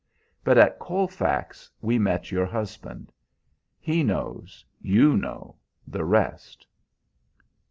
"But at Colfax we met your husband. He knows you know the rest."